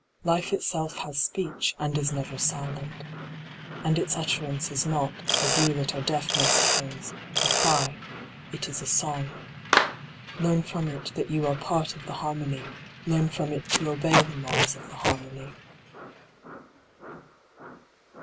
Life itself has speech and is never silent. And its utterance is not, as you that are deaf may suppose, a cry : it is a song. Learn from it that you are part of the har mony ; learn from it to obey the laws of the harmony.